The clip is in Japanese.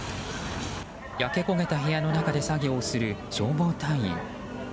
焼け焦げた部屋の中で作業をする消防隊員。